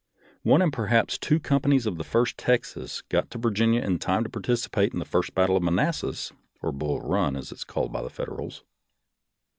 One and perhaps two com panies of the First Texas got to Virginia in time to participate in the first battle of Manassas, or Bull Run, as it is called by the Federals.